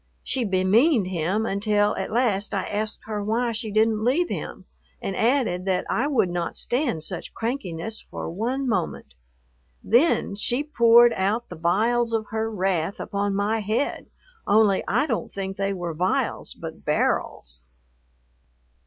She bemeaned him until at last I asked her why she didn't leave him, and added that I would not stand such crankiness for one moment. Then she poured out the vials of her wrath upon my head, only I don't think they were vials but barrels.